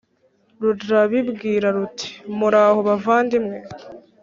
rurabibwira ruti «muraho bavandimwe?